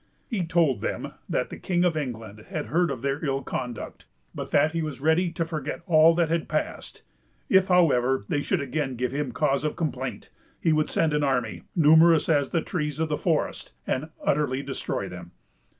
He told them that the King of England had heard of their ill conduct, but that he was ready to forget all that had passed. If, however, they should again give him cause of complaint, he would send an army, numerous as the trees of the forest, and utterly destroy them.